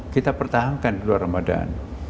kita pertahankan di luar ramadan